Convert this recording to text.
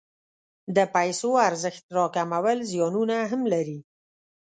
د پیسو ارزښت راکمول زیانونه هم لري.